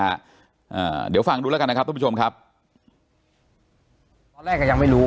อ่าเดี๋ยวฟังดูแล้วกันนะครับทุกผู้ชมครับตอนแรกก็ยังไม่รู้